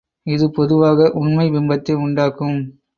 இது பொதுவாக உண்மை பிம்பத்தை உண்டாக்கும்.